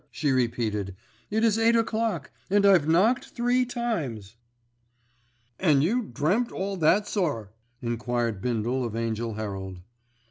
she repeated. "It is eight o'clock, and I've knocked three times." "An' you dreamt all that, sir?" enquired Bindle of Angell Herald.